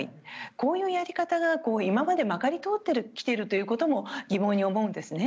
こういうやり方が今までまかり通ってきているということも疑問に思うんですね。